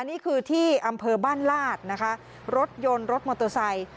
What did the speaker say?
นี่คือที่อำเภอบ้านลาดนะคะรถยนต์รถมอเตอร์ไซค์